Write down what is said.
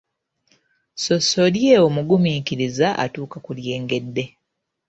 Ssossolye omugumiikiriza atuuka ku lyengedde.